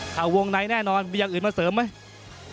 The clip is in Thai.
ข่าววงในแน่นอนมีอย่างอื่นมาเสริมไหม